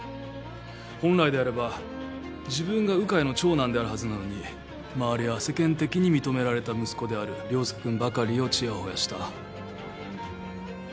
本来であれば自分が鵜飼の長男であるはずなのに周りは世間的に認められた息子である椋介君ばかりをちやほやした。